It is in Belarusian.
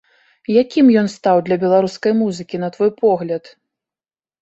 Якім ён стаў для беларускай музыкі, на твой погляд?